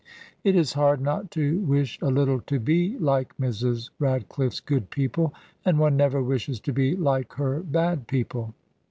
It is hard not to wish a little to be like Mrs. RadcliflFe's good people, and one never wishes to be like her bad peo ple.